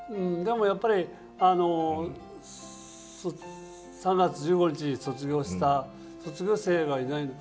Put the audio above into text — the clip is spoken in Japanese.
やっぱり、３月１５日に卒業した卒業生がいない。